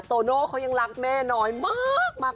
โตโน่เขายังรักแม่น้อยมาก